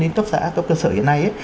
đến cấp xã cấp cơ sở hiện nay